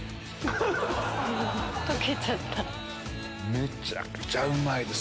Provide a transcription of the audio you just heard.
めちゃくちゃうまいです！